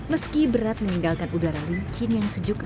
meski berat meninggalkan udara licin yang sejuk